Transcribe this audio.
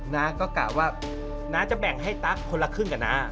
น้าก็กะว่าน้าจะแบ่งให้ตั๊กคนละครึ่งกับน้า